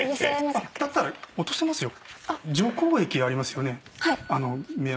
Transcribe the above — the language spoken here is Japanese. だったら落とせますよ。